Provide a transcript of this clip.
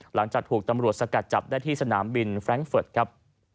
หลังจากถูกตำรวจสกัดจับได้ที่สนามบินแร้งเฟิร์ตครับ